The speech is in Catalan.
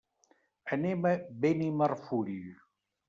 Anem a Benimarfull.